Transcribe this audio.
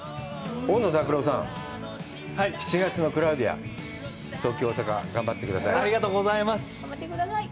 大野拓朗さん、７月の「クラウディア」、東京、大阪、頑張ってください。